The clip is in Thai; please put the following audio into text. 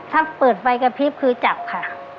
ถ้าเปิดไฟกระพริบคือจับค่ะ